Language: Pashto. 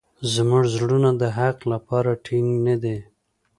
زموږ زړونه د حق لپاره ټینګ نه دي.